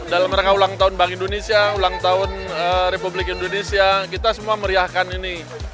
dalam rangka ulang tahun bank indonesia ulang tahun republik indonesia kita semua meriahkan ini